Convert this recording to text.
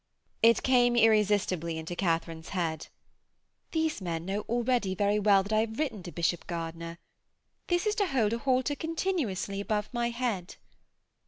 It came irresistibly into Katharine's head: 'These men know already very well that I have written to Bishop Gardiner! This is to hold a halter continuously above my head!'